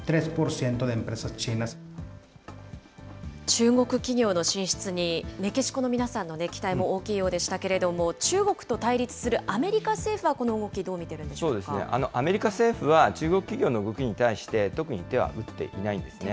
中国企業の進出に、メキシコの皆さんの期待も大きいようでしたけれども、中国と対立するアメリカ政府は、この動き、アメリカ政府は、中国企業の動きに対して、特に手は打っていないんですね。